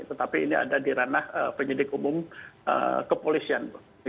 tetapi ini ada di ranah penyidik umum kepolisian